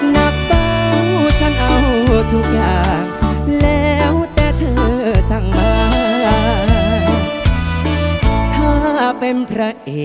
นับเป้าฉันเอาทุกอย่างแล้วแต่เธอสั่งมา